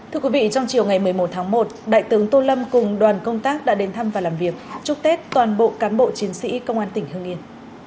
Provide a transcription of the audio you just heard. thưa quý vị trong chiều ngày một mươi một tháng một đại tướng tô lâm cùng đoàn công tác đã đến thăm và làm việc chúc tết toàn bộ cán bộ chiến sĩ công an tỉnh hương yên